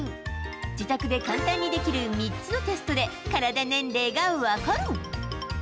自宅で簡単にできる３つのテストで、体年齢が分かる。